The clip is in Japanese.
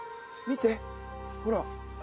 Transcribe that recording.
見てほら。